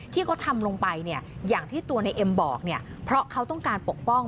ที่เขาทำลงไปอย่างที่ตัวนายเอ็มบอกเพราะเขาต้องการปกป้อง